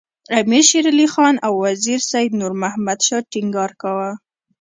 امیر شېر علي خان او وزیر سید نور محمد شاه ټینګار کاوه.